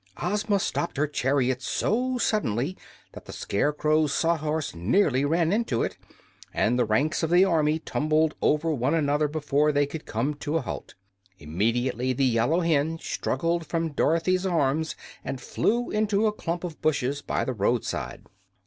Ozma stopped her chariot so suddenly that the Scarecrow's Sawhorse nearly ran into it, and the ranks of the army tumbled over one another before they could come to a halt. Immediately the yellow hen struggled from Dorothy's arms and flew into a clump of bushes by the roadside.